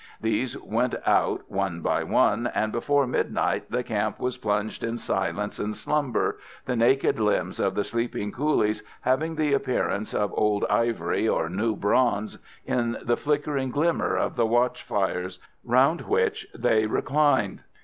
These went out one by one, and before midnight the camp was plunged in silence and slumber, the naked limbs of the sleeping coolies having the appearance of old ivory or new bronze in the flickering glimmer of the watch fires, round which they reclined.